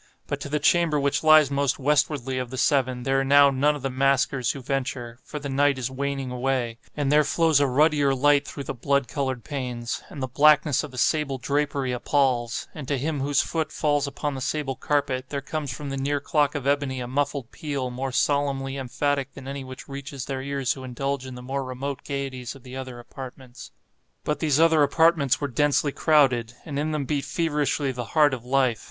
But to the chamber which lies most westwardly of the seven, there are now none of the maskers who venture; for the night is waning away; and there flows a ruddier light through the blood colored panes; and the blackness of the sable drapery appals; and to him whose foot falls upon the sable carpet, there comes from the near clock of ebony a muffled peal more solemnly emphatic than any which reaches their ears who indulge in the more remote gaieties of the other apartments. But these other apartments were densely crowded, and in them beat feverishly the heart of life.